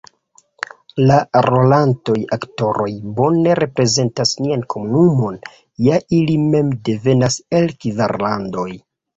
La rolantaj aktoroj bone reprezentas nian komunumon, ja ili mem devenas el kvar landoj.